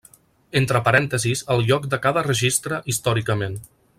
Entre parèntesis el lloc de cada registre històricament.